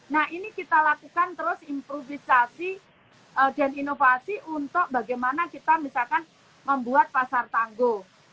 nah ini kita lakukan terus improvisasi dan inovasi untuk bagaimana kita misalkan membuat pasar tangguh